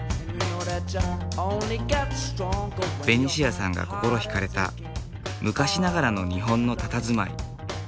ベニシアさんが心引かれた昔ながらの日本のたたずまい。